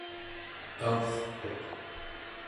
aurtuq